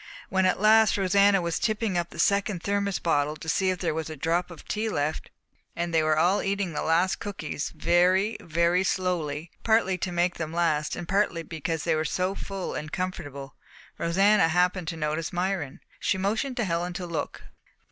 When at last Rosanna was tipping up the second thermos bottle to see if there was a drop of tea left, and they were all eating the last cookies very, very slowly, partly to make them last and partly because they were so full and comfortable, Rosanna happened to notice Myron. She motioned to Helen to look.